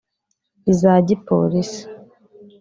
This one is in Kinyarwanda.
iza Gipolisi